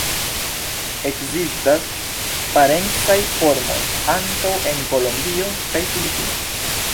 Ekzistas parencaj formoj ankaŭ en Kolombio kaj Filipinoj.